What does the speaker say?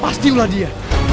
pasti ulah dia